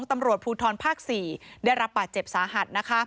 ตำรวจภูทรภาค๔ได้รับบาดเจ็บสาหัส